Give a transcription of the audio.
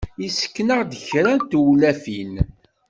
Yessken-aɣ-d kra n tewlafin.